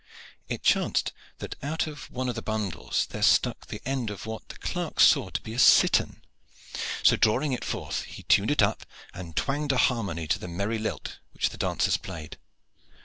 It chanced that out of one of the bundles there stuck the end of what the clerk saw to be a cittern, so drawing it forth, he tuned it up and twanged a harmony to the merry lilt which the dancers played.